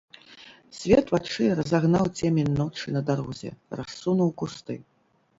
Свет вачэй разагнаў цемень ночы на дарозе, рассунуў кусты.